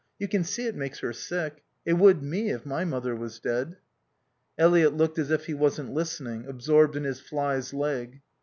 You can see it makes her sick. It would me, if my mother was dead." Eliot looked as if he wasn't listening, absorbed in his fly's leg.